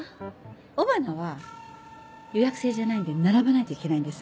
尾花は予約制じゃないんで並ばないといけないんです。